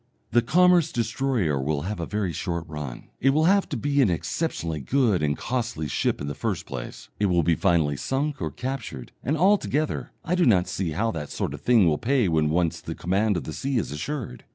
The commerce destroyer will have a very short run; it will have to be an exceptionally good and costly ship in the first place, it will be finally sunk or captured, and altogether I do not see how that sort of thing will pay when once the command of the sea is assured.